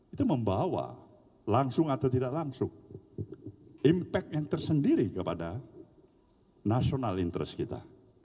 itu membawa langsung atau tidak langsung impact yang tersendiri kepada national interest kita